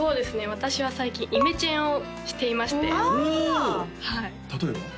私は最近イメチェンをしていましてお例えば？